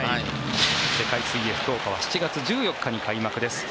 世界水泳福岡は７月１４日に開幕です。